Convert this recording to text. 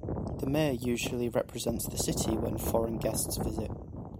The mayor usually represents the city when foreign guests visit.